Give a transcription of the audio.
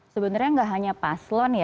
sebenarnya nggak hanya paslon ya